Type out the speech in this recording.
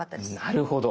なるほど。